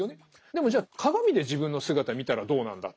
でもじゃあ鏡で自分の姿見たらどうなんだ。